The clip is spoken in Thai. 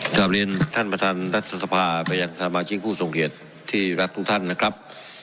กลับเรียนท่านประธานรัฐสภาไปยังสมาชิกผู้ทรงเกียรติที่รักทุกท่านนะครับ